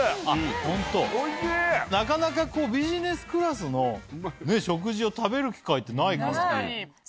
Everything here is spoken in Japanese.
なかなかビジネスクラスの食事を食べる機会ってない。